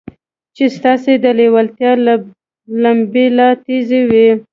چې ستاسې د لېوالتیا لمبې لا تېزوي.